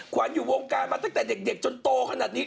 ขวัญอยู่วงการมาตั้งแต่เด็กจนโตขนาดนี้